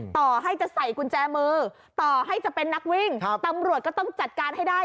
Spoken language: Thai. ต่อให้จะใส่กุญแจมือต่อให้จะเป็นนักวิ่งตำรวจก็ต้องจัดการให้ได้